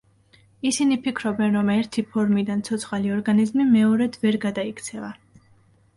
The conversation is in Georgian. ისინი ფიქრობენ, რომ ერთი ფორმიდან ცოცხალი ორგანიზმი მეორედ ვერ გადაიქცევა.